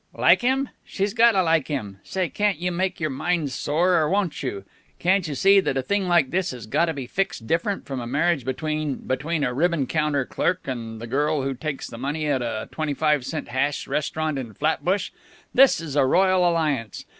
"Like him? She's gotta like him. Say, can't you make your mind soar, or won't you? Can't you see that a thing like this has gotta be fixed different from a marriage between between a ribbon counter clerk and the girl who takes the money at a twenty five cent hash restaurant in Flatbush? This is a royal alliance.